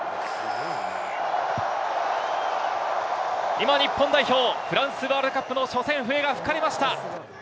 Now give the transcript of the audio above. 今、日本代表、フランスワールドカップの初戦、笛が吹かれました。